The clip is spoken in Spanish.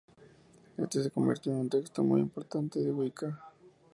Este se convirtió en un texto muy importante en la Wicca.